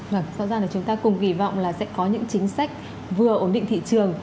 vâng rõ ràng là chúng ta cùng kỳ vọng là sẽ có những chính sách vừa ổn định thị trường